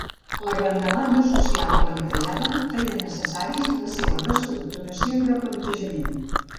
La gran demanda social plantejada feia necessaris la seva reestructuració i replantejament.